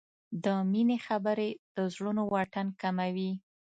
د مینې خبرې د زړونو واټن کموي.